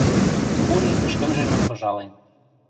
Кури ӹшкӹмжӹнӹм выжален...